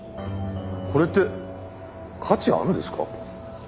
これって価値あるんですか？